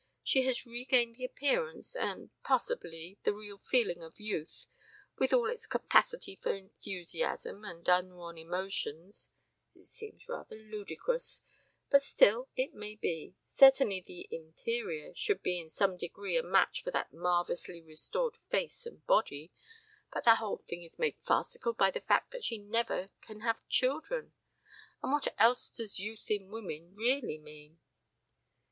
She has regained the appearance and possibly the real feeling of youth, with all its capacity for enthusiasm and unworn emotions it seems rather ludicrous, but still it may be; certainly the interior should be in some degree a match for that marvellously restored face and body but the whole thing is made farcical by the fact that she never can have children. And what else does youth in women really mean?"